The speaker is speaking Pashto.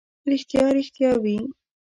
ریښتیا، ریښتیا وي.